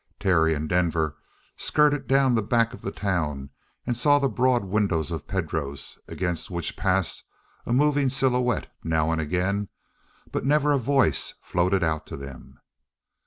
Terry and Denver skirted down the back of the town and saw the broad windows of Pedro's, against which passed a moving silhouette now and again, but never a voice floated out to them.